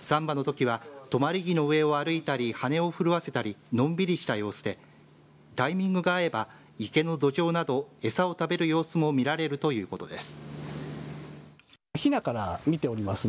３羽のトキは止まり木の上を歩いたり羽を震わせたりのんびりした様子でタイミングが合えば池のドジョウなど餌を食べる様子も見られるということです。